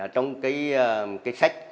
trong cái sách